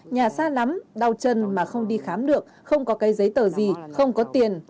nhà xa lắm đau chân mà không đi khám được không có cái giấy tờ gì không có tiền